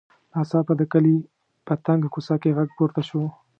ناڅاپه د کلي په تنګه کوڅه کې غږ پورته شو.